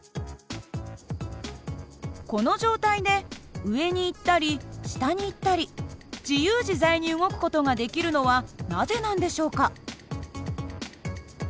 この状態で上に行ったり下に行ったり自由自在に動く事ができるのはなぜなんでしょうか？